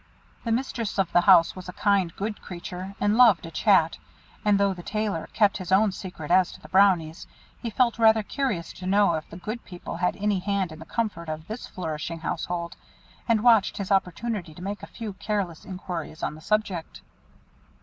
The mistress of the house was a kind good creature, and loved a chat; and though the Tailor kept his own secret as to the Brownies, he felt rather curious to know if the Good People had any hand in the comfort of this flourishing household, and watched his opportunity to make a few careless inquiries on the subject.